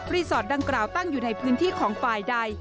สอดดังกล่าวตั้งอยู่ในพื้นที่ของฝ่ายใด